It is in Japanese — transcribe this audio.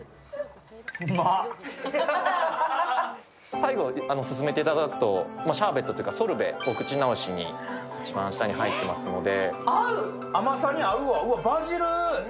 最後進めていただくと、シャーベット、ソルベがお口直しに、一番下に入っていますので。